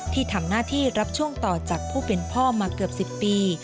ที่ทำหน้าที่รับช่วงต่อจากผู้เป็นพ่อมาเกือบ๑๐ปี